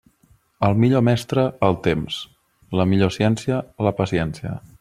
El millor mestre, el temps; la millor ciència, la paciència.